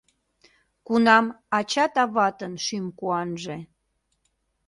Кунам ачат-аватын шӱм куанже